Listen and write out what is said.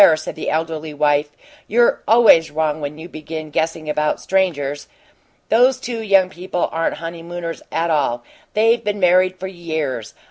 said the elderly wife. "You're always wrong when you begin guessing about strangers. Those two young people aren't honeymooners at all they've been married for years.